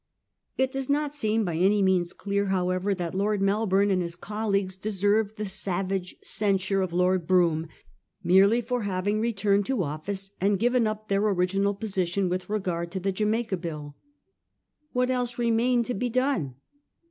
It does not seem by any means clear, however, that Lord Melbourne and his colleagues deserved the savage censure of Lord Brougham merely for having returned to office and given up their original position with regard to the Jamaica Bill. What else remained to be done